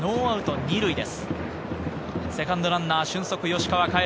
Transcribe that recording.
ノーアウト２塁です。